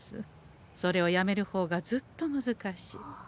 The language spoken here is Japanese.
それをやめるほうがずっと難しい。